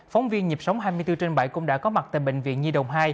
phóng viên nhịp sống hai mươi bốn trên bảy cũng đã có mặt tại bệnh viện nhi đồng hai